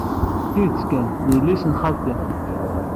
Tidet kan, d yelli-s n xali.